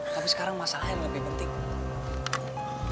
tapi sekarang masalah yang lebih penting